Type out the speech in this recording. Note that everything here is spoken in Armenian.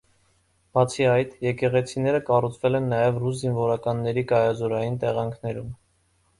Բացի այդ, եկեղեցիները կառուցվել են նաև ռուս զինվորականների կայազորային տեղանքներում։